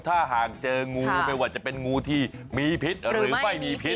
ถ้าหากเจองูไม่ว่าจะเป็นงูที่มีพิษหรือไม่มีพิษ